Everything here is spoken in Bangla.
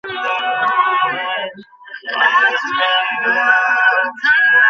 এই জীবন কোটি কোটি জীবনের মত একটি।